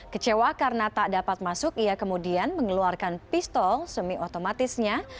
kecewa karena tak dapat masuk ia kemudian mengeluarkan pistol semi otomatisnya